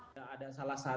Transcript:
tidak ada salah satu